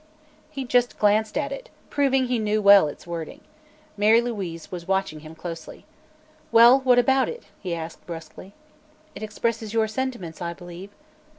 He just glanced at it, proving he knew well its wording. Mary Louise was watching him closely. "Well, what about it?" he asked brusquely. "It expresses your sentiments, I believe."